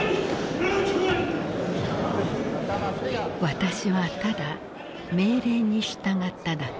「私はただ命令に従っただけ」。